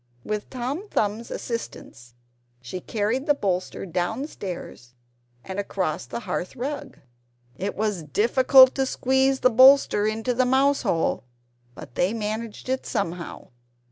With Tom Thumbs's assistance she carried the bolster downstairs, and across the hearth rug. It was difficult to squeeze the bolster into the mouse hole; but they managed it somehow.